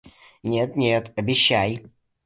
Нет, нет, обещай!...